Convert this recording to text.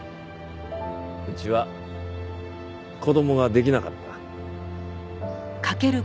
うちは子供ができなかった。